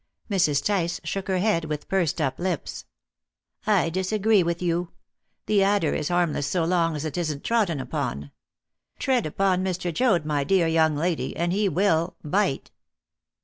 Mrs. Tice shook her head with pursed up lips. "I disagree with you. The adder is harmless so long as it isn't trodden upon. Tread upon Mr. Joad, my dear young lady, and he will bite."